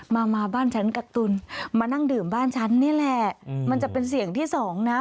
มานั่งดื่มบ้านฉันนี่แหละมันจะเป็นเสียงที่สองนะ